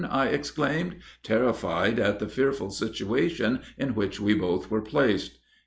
I exclaimed, terrified at the fearful situation in which we both were placed."